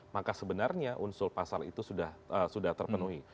maka sebenarnya unsur pasal itu sudah terpenuhi